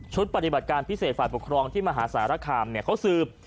ปฏิบัติการพิเศษฝ่ายปกครองที่มหาสารคามเขาสืบ